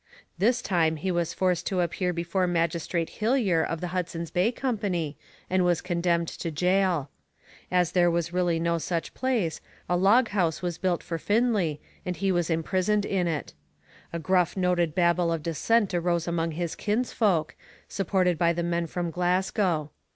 This time he was forced to appear before Magistrate Hillier of the Hudson's Bay Company and was condemned to gaol. As there was really no such place, a log house was built for Findlay, and he was imprisoned in it. A gruff noted babel of dissent arose among his kinsfolk, supported by the men from Glasgow.